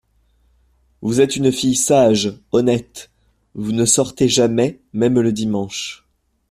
Vous êtes une fille sage, honnête ; vous ne sortez jamais, même le dimanche…